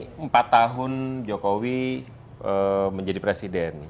jadi empat tahun jokowi menjadi presiden